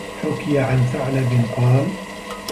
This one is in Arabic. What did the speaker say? حُكِيَ عَنْ ثَعْلَبٍ قَالَ